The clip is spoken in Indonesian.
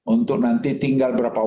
untuk nanti tinggal berbicara